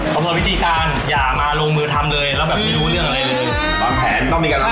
เพราะว่าวิธีการอย่ามาลงมือทำเลยมันไม่รู้เรื่องอะไรเลย